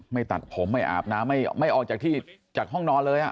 ตัดผมไม่อาบน้ำไม่ออกจากที่จากห้องนอนเลย